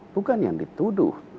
bukan yang dituduh